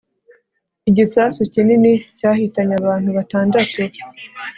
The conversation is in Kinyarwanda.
igisasu kinini cyahitanye abantu batandatu